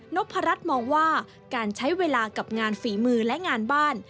พรัชมองว่าการใช้เวลากับงานฝีมือและงานบ้าน